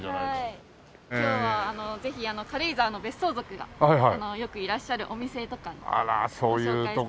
今日はぜひ軽井沢の別荘族がよくいらっしゃるお店とかご紹介したいと思います。